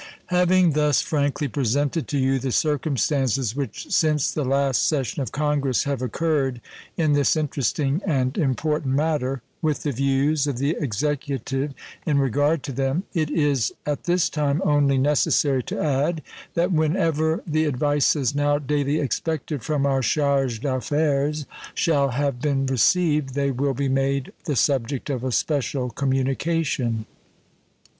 Having thus frankly presented to you the circumstances which since the last session of Congress have occurred in this interesting and important matter, with the views of the Executive in regard to them, it is at this time only necessary to add that when ever the advices now daily expected from our charge d'affaires shall have been received they will be made the subject of a special communication.